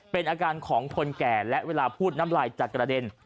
เป็นอาการของคนแก่และเวลาพูดน้ำลายจะกระเด็น